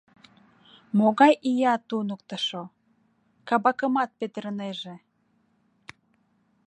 Могай ия туныктышо, кабакымат петырынеже...